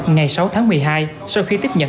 ngày sáu tháng một mươi hai sau khi tiếp nhận